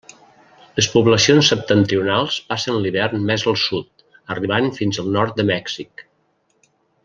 Les poblacions septentrionals passen l'hivern més al sud, arribant fins al nord de Mèxic.